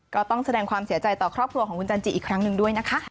ก็ต้องแสดงความเสียใจต่อครอบครัวของคุณจันจิอีกครั้งหนึ่งด้วยนะคะ